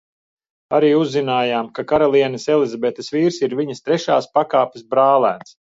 Arī uzzinājām, ka karalienes Elizabetes vīrs ir viņas trešās pakāpes brālēns.